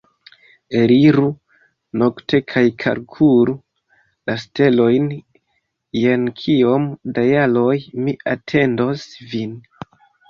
Eliru nokte kaj kalkulu la stelojn jen kiom da jaroj mi atendos vin